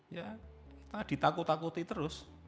ya kita ditakut takuti terus